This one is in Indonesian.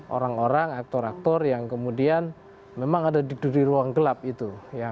orang orang aktor aktor yang kemudian memang ada di ruang gelap itu